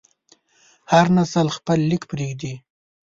هر نسل خپل لیک پرېږدي.